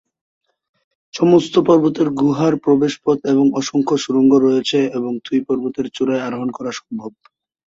সমস্ত পর্বতের গুহার প্রবেশ পথ এবং অসংখ্য সুড়ঙ্গ রয়েছে এবং থুয় পর্বতের চূড়ায় আরোহণ করা সম্ভব।